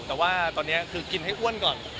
แต่ว่าตอนนี้คือกินให้อ้วนก่อน